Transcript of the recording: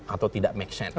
atau tidak make sense